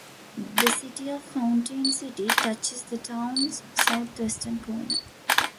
The city of Fountain City touches the town's southwestern corner.